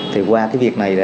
thì qua cái việc này